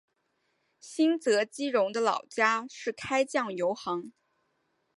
新泽基荣的老家是开酱油行。